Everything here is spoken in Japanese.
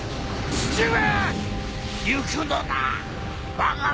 父上